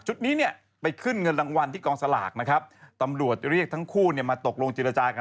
ชุดนี้ไปขึ้นเงินรางวัลที่กองสลากตำรวจเรียกทั้งคู่มาตกลงจิตราจากัน